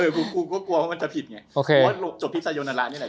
กูก็กลัวว่ามันจะผิดไง